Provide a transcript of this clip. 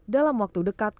dalam waktu dekat